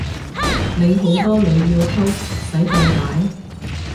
你好多女要溝使費大？